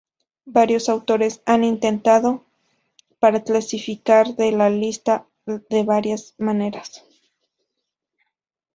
Varios autores han intentado para clasificar la lista de varias maneras.